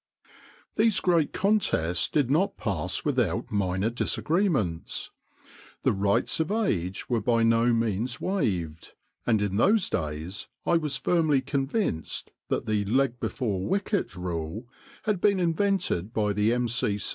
These great contests did not pass without minor disagreements. The rights of age were by no means waived, and in those days I was firmly convinced that the l.b.w. rule had been invented by the M.